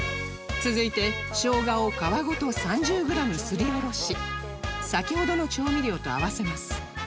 続いて生姜を皮ごと３０グラムすりおろし先ほどの調味料と合わせます